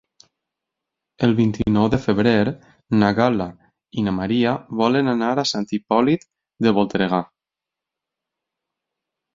El vint-i-nou de febrer na Gal·la i na Maria volen anar a Sant Hipòlit de Voltregà.